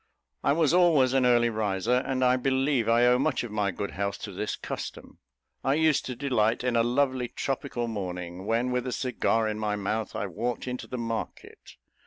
I was always an early riser, and believe I owe much of my good health to this custom. I used to delight in a lovely tropical morning, when, with a cigar in my mouth, I walked into the market.